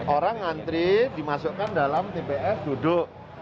orang ngantri dimasukkan dalam tpf duduk